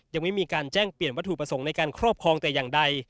ยังไม่มีการแจ้งเปลี่ยนวัตถุประสงค์ในการครอบครองแต่อย่างใด